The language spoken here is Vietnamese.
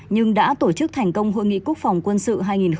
nhưng đã tổ chức thành công hội nghị quốc phòng quân sự hai nghìn hai mươi